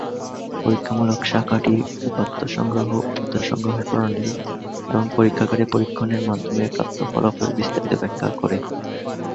পরীক্ষামূলক শাখাটি উপাত্ত সংগ্রহ, উপাত্ত সংগ্রহের প্রণালী এবং পরীক্ষাগারে পরীক্ষণ এর মাধ্যমে প্রাপ্ত ফলাফলের বিস্তারিত ব্যাখ্যা করে।